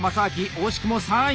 惜しくも３位！